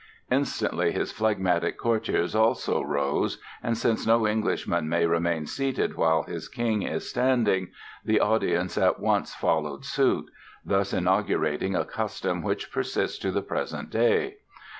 Instantly his phlegmatic courtiers also rose, and since no Englishman may remain seated while his King is standing, the audience at once followed suit, thus inaugurating a custom which persists to the present day.